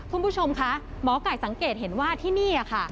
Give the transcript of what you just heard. คุณผู้ชมคะหมอไก่สังเกตเห็นว่าที่นี่ค่ะ